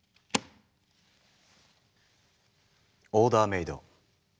オーダーメイド。